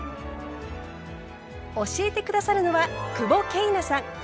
教えて下さるのは久保桂奈さん。